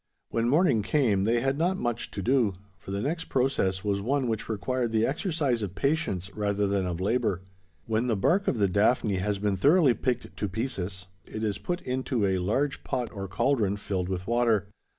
When morning came, they had not much to do: for the next process was one which required the exercise of patience rather than of labour. When the bark of the daphne has been thoroughly picked to pieces, it is put into a large pot or cauldron filled with water.